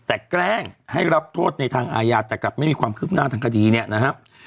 แต่แกล้งให้รับโทษในทางอาญาแต่กลับไม่มีความคืบหน้าทางคดีเนี่ยนะครับ